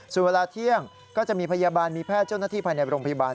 ส่วนเวลาเที่ยงก็จะมีพยาบาลมีแพทย์เจ้าหน้าที่ภายในโรงพยาบาล